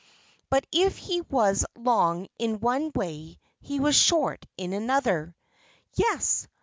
But if he was long in one way he was short in another. Yes!